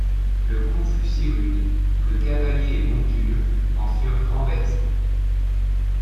Le coup fut si rude que cavalier et monture en furent renversés.